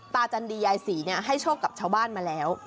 จันดียายศรีให้โชคกับชาวบ้านมาแล้ว